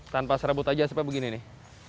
tanpa serabut aja supaya begini nih